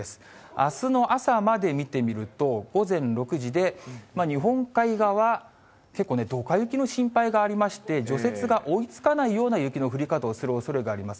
あすの朝まで見てみると、午前６時で日本海側は結構ね、ドカ雪の心配がありまして、除雪が追いつかないような雪の降り方をするおそれがあります。